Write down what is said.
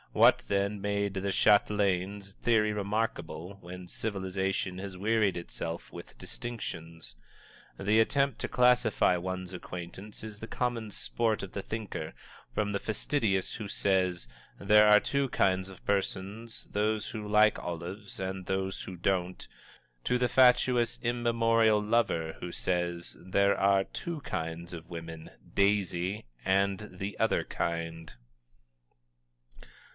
What, then, made the Chatelaine's theory remarkable, when Civilization has wearied itself with distinctions? The attempt to classify one's acquaintance is the common sport of the thinker, from the fastidious who says: "There are two kinds of persons those who like olives and those who don't," to the fatuous, immemorial lover who says: "There are two kinds of women Daisy, and the Other Kind!"